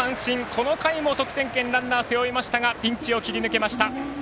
この回も得点圏にランナー背負いましたがピンチを切り抜けました。